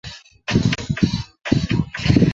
皎施是皎施教育学院的所在地。